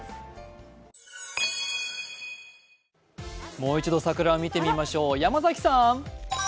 もう一度桜を見てみましょう。